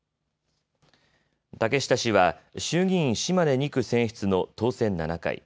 竹下氏は衆議院島根２区選出の当選７回。